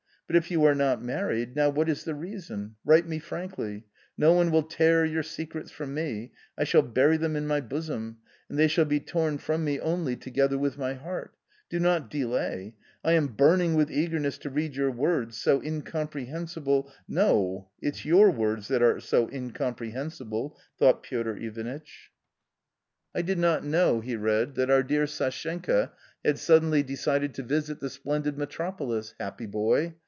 But if you are not married, now what is the reason — write me frankly ; no one will tear your secrets from me, I shall bury them in my bosom, and they shall be torn from me only together with my heart Do not delay ; I am burning with eagerness to read your words, so incomprehensible "" No, it's your words that are so incomprehensible !" thought Piotr Tvanitch. 30 A COMMON STORY "I did not know [he read] that our dear Sashenka had suddenly decided to visit the splendid metropolis — happy boy